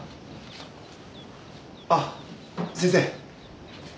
あっ先生。